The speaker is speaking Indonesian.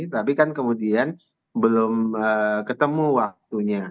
tapi kan kemudian belum ketemu waktunya